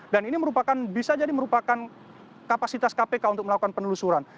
ini bisa jadi merupakan kapasitas kpk untuk melakukan penelusuran